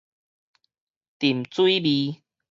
沉水沬